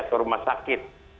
ke rumah sakit